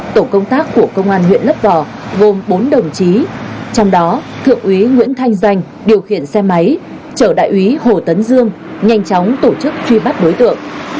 tổ công tác của công an huyện lấp vò gồm bốn đồng chí trong đó thượng úy nguyễn thanh danh điều khiển xe máy chở đại úy hồ tấn dương nhanh chóng tổ chức truy bắt đối tượng